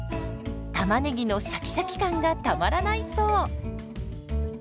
たまねぎのシャキシャキ感がたまらないそう。